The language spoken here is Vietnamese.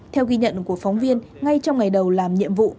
theo ghi nhận của phóng viên ngay trong ngày đầu làm nhiệm vụ